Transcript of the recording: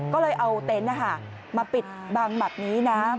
ก็เลยเอาเต็นต์มาปิดบังแบบนี้นะ